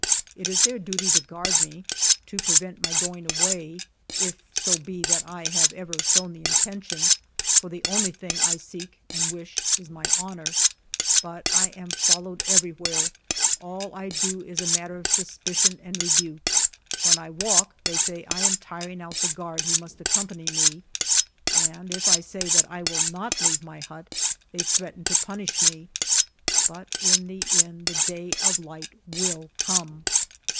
It is their duty to guard me, to prevent my going away, — if so be that I have ever shown the intention, for the only thing I seek and wish is my honor, — but I am followed every where ; all I do is a matter of suspicion and rebuke. When I walk, they say I am tiring out the guard who must accompany me, and if I say that I will not leave my hut, they threaten to punish me. But in the end the day of light will come.